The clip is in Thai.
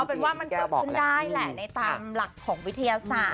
เป็นว่ามันเกิดขึ้นได้แหละในตามหลักของวิทยาศาสตร์